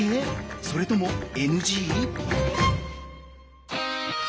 それともＮＧ？